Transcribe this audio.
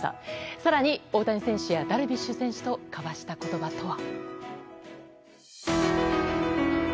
更に、大谷選手やダルビッシュ選手と交わした言葉とは。